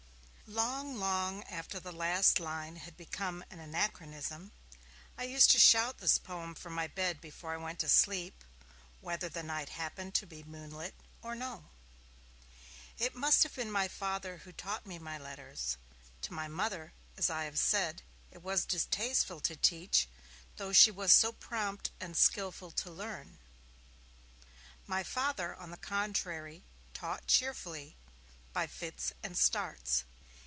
Long, long after the last line had become an anachronism, I used to shout this poem from my bed before I went to sleep, whether the night happened to be moonlit or no. It must have been my Father who taught me my letters. To my Mother, as I have said, it was distasteful to teach, though she was so prompt and skillful to learn. My Father, on the contrary, taught cheerfully, by fits and starts.